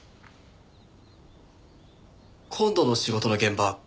今度の仕事の現場